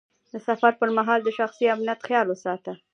د سفر پر مهال د شخصي امنیت خیال وساته.